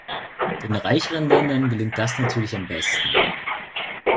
Den reicheren Ländern gelingt das natürlich am besten.